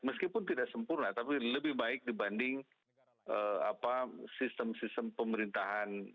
meskipun tidak sempurna tapi lebih baik dibanding sistem sistem pemerintahan